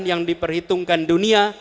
yang diperhitungkan dunia